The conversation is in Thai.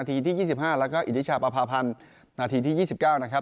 ทีสี่ห้าและอิฐิชาปราพันธ์ทีสี่สิบเก้า